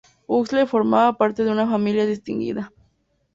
Huxley formaba parte de una familia distinguida.